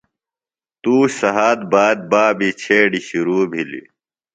تُوش سھات باد بابی چھیڈیۡ شِرو بِھلیۡ۔